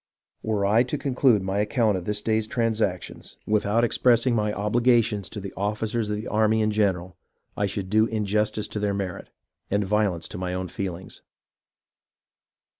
Were I to conclude my account of this day's transactions with 240 HISTORY OF THE AMERICAN REVOLUTION out expressing my obligations to the officers of the army in gen eral, I should do injustice to their merit, and violence to my own feelings.